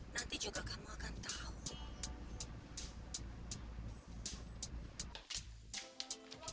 nanti juga kamu akan tahu